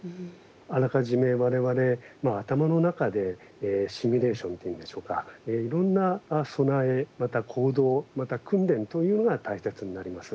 あらかじめ我々頭の中でシミュレーションというんでしょうかいろんな備えまた行動また訓練というのが大切になります。